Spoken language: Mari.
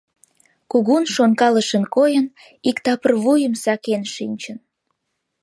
Кугун шонкалышын койын, иктапыр вуйым сакен шинчыш.